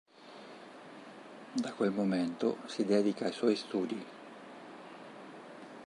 Da quel momento si dedica ai suoi studi.